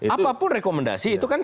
apapun rekomendasi itu kan